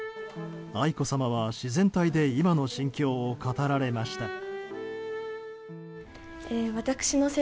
愛子さまは自然体で今の心境を語られました。